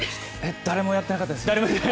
誰もやってなかったです。